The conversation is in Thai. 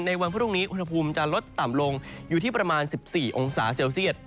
วันพรุ่งนี้อุณหภูมิจะลดต่ำลงอยู่ที่ประมาณ๑๔องศาเซลเซียต